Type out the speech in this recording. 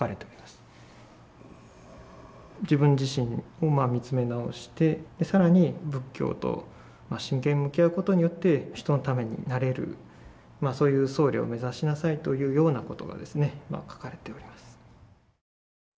自分自身を見つめ直して更に仏教と真剣に向き合うことによって人のためになれるそういう僧侶を目指しなさいというようなことが書かれております。